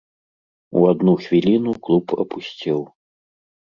У адну хвіліну клуб апусцеў.